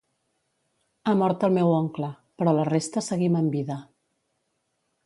Ha mort el meu oncle, però la resta seguim amb vida.